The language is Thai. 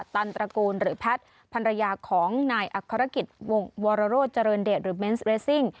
ตันตระกูลหรือแพทย์ภรรยาของนายอักษรกิจวงวรโรธเจริญเดชหรือเบนส์เรสซิ่ง